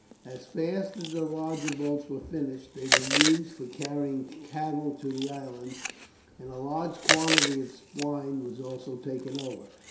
As fast as the larger boats were finished they were used for carrying cattle to the islands, and a large quantity of swine were also taken over.